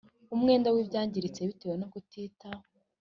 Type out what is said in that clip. Umwenda w ibyangiritse bitewe no kutita